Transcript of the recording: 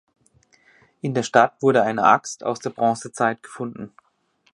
In der Stadt wurde eine Axt aus der Bronzezeit gefunden.